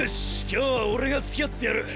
今日は俺がつきあってやる。